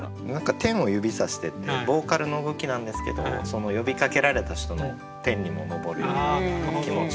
「天を指さして」っていうボーカルの動きなんですけど呼びかけられた人の天にも昇るような気持ちも。